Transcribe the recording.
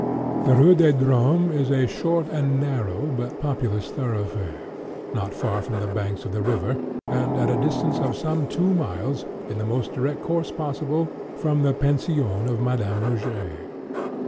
The Rue des Drômes is a short and narrow but populous thoroughfare, not far from the banks of the river, and at a distance of some two miles, in the most direct course possible, from the pension of Madame Rogêt.